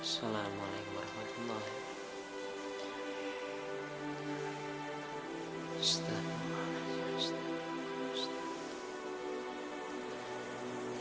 selama'alai'kum warahmatullahi wabarakatuh